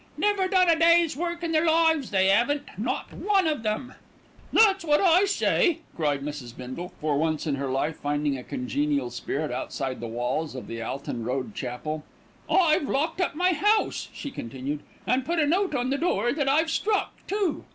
Never done a day's work in their lives, they 'aven't, not one of 'em." "That's what I say," cried Mrs. Bindle, for once in her life finding a congenial spirit outside the walls of the Alton Road Chapel. "I've locked up my house," she continued, "and put a note on the door that I've struck too."